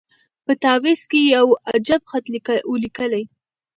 په تعویذ کي یو عجب خط وو لیکلی